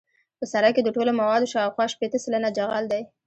په سرک کې د ټولو موادو شاوخوا شپیته سلنه جغل دی